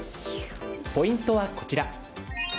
ポイントはこちら。